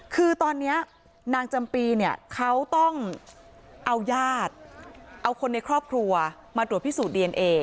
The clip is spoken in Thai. คือตอนนี้นางจำปีเนี่ยเขาต้องเอาญาติเอาคนในครอบครัวมาตรวจพิสูจนดีเอนเอ